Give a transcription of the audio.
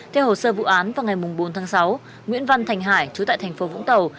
theo hồ sơ vụ án vào ngày bốn tháng sáu nguyễn văn thành hải trú tại tp vũng tàu